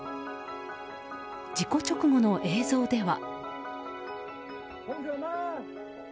事故直後の映像では。